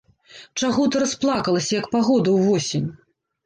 Чаго ты расплакалася, як пагода ўвосень?